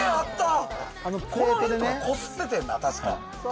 こすっててんな、確か。